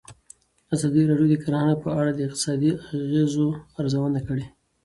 ازادي راډیو د کرهنه په اړه د اقتصادي اغېزو ارزونه کړې.